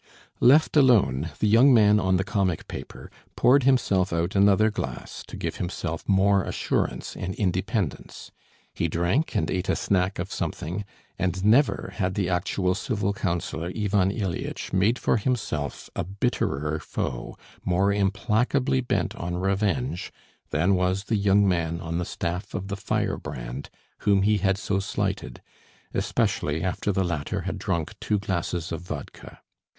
Left alone, the young man on the comic paper poured himself out another glass to give himself more assurance and independence; he drank and ate a snack of something, and never had the actual civil councillor Ivan Ilyitch made for himself a bitterer foe more implacably bent on revenge than was the young man on the staff of the Firebrand whom he had so slighted, especially after the latter had drunk two glasses of vodka.